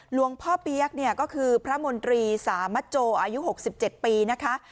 หลวงพ่อเปี๊ยกเนี่ยก็คือพระมนตรีสามัจโจอายุ๖๗ปีนะคะ